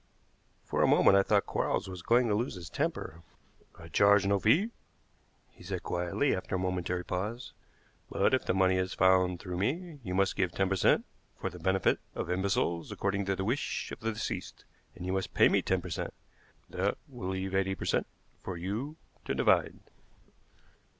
For a moment I thought that Quarles was going to lose his temper. "I charge no fee," he said quietly, after a momentary pause; "but if the money is found through me, you must give ten per cent. for the benefit of imbeciles according to the wish of the deceased, and you must pay me ten per cent. That will leave eighty per cent. for you to divide."